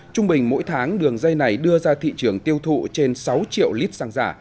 trung bình mỗi tháng đường dây này đưa ra thị trường tiêu thụ trên sáu triệu lít xăng giả